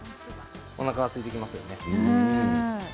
おなかがすいてきますよね。